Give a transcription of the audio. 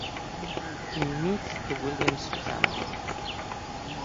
He meets the Williams family.